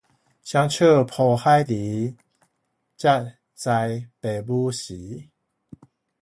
雙手抱孩兒，才知父母時